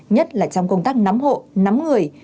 nhất là trong công tác nắm hộ nắm người